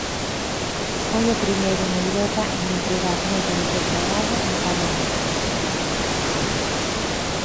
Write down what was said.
Foi o primeiro en Europa en empregar métodos de traballo en cadea.